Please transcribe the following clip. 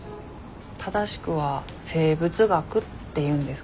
正しくは生物学っていうんですけどね。